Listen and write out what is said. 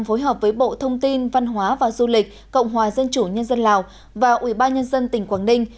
phối hợp với bộ thông tin văn hóa và du lịch cộng hòa dân chủ nhân dân lào và ubnd tỉnh quảng ninh